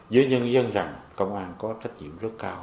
với nhân dân rằng công an có trách nhiệm rất cao